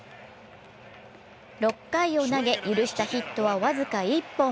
６回を投げ許したヒットは僅か１本。